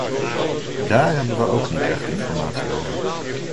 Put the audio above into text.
Daar hebben we ook niet echt informatie over.